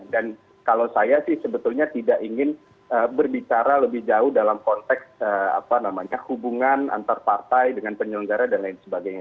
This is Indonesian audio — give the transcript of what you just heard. dan kalau saya sih sebetulnya tidak ingin berbicara lebih jauh dalam konteks apa namanya hubungan antar partai dengan penyelenggara dan lain sebagainya